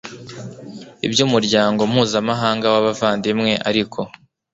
iby umuryango mpuzamahanga w abavandimwe ariko